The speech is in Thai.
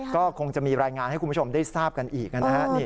ก็คงจะมีรายงานให้คุณผู้ชมได้ทราบกันอีกนะฮะ